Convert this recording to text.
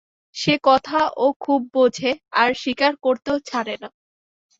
সে কথা ও খুব বোঝে আর স্বীকার করতেও ছাড়ে না।